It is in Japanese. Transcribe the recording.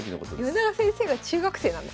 米長先生が中学生なんですね。